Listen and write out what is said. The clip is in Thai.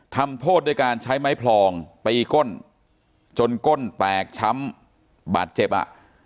ทำโทษด้วยการใช้ไม้พลองตีก้นจนก้นแตกช้ำบาดเจ็บอ่ะ